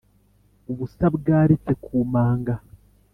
ubusa bwaritse ku manga,